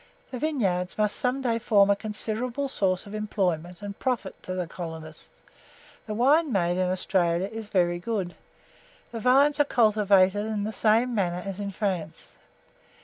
The vineyards must some day form a considerable source of employment and profit to the colonists. The wine made in Australia is very good. The vines are cultivated in the same manner as in France.